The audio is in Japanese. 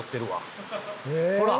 ほら！